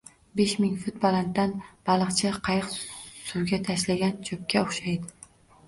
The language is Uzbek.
Besh ming fut balanddan baliqchi qayiq suvga tashlangan cho‘pga o‘xshaydi